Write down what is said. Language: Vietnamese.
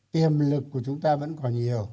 tiềm lực của chúng ta vẫn còn nhiều